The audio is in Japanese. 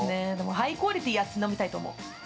ハイクオリティーのやつ飲みたいと思う。